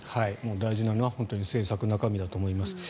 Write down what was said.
大事なのは政策、中身だと思います。